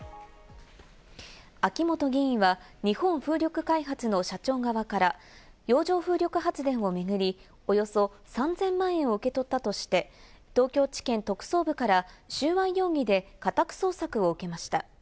秋本議員は日本風力開発の社長側から洋上風力発電を巡り、およそ３０００万円を受け取ったとして、東京地検特捜部から収賄容疑で家宅捜索を受けました。